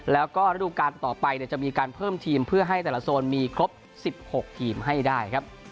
แล้วก็ระดูการต่อไปจะมีการเพิ่มทีมเพื่อให้แต่ละโซนมีครบ๑๖ทีมให้ได้ครับ